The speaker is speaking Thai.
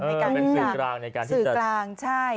เป็นสื่อกลางในการที่จะกลางใช่